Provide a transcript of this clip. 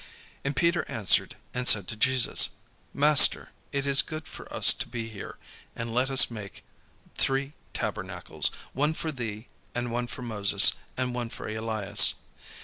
And Peter answered and said to Jesus, "Master, it is good for us to be here: and let us make three tabernacles; one for thee, and one for Moses, and one for Elias."